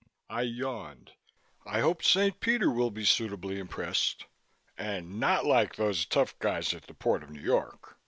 I yawned. "I hope Saint Peter will be suitably impressed and not like those tough guys at the Port of New York.